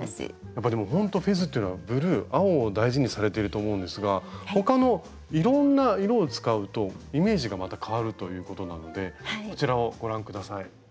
やっぱほんとフェズっていうのはブルー青を大事にされていると思うんですが他のいろんな色を使うとイメージがまた変わるということなのでこちらをご覧下さい。